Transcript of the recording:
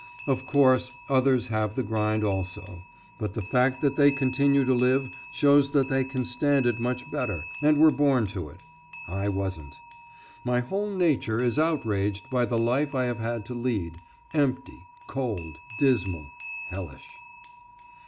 Of course, others have the grind, also; but the fact that they continue to live shows that they can stand it much better, and were born to it. I wasn't. My whole nature is outraged by the life I have had to lead. Empty, cold, dismal, hellish.